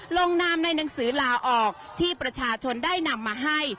ลงนามในหนังสือลาออกที่ประชาชนได้นำมาให้